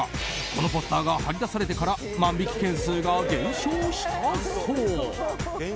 このポスターが貼り出されてから万引き件数が減少したそう。